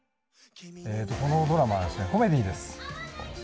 このドラマはコメディーです。